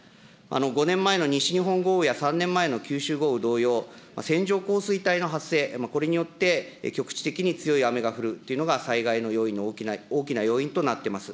５年前の西日本豪雨や、３年前の九州豪雨同様、線状降水帯の発生、これによって局地的に強い雨が降るというのが、災害の要因の大きな要因となってます。